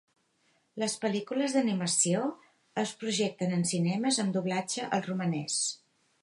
Les pel·lícules d'animació es projecten en cinemes amb doblatge al romanès.